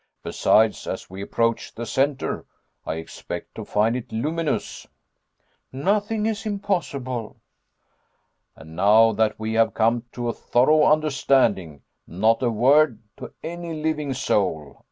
Besides, as we approach the centre, I expect to find it luminous " "Nothing is impossible." "And now that we have come to a thorough understanding, not a word to any living soul.